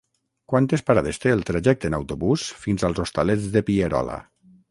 Quantes parades té el trajecte en autobús fins als Hostalets de Pierola?